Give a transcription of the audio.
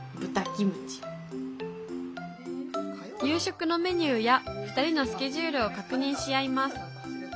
夕食のメニューや２人のスケジュールを確認し合います。